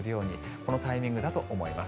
このタイミングだと思います。